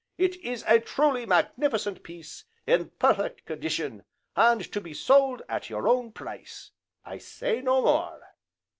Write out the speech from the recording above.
It is a truly magnificent piece, in perfect condition, and to be sold at your own price. I say no more.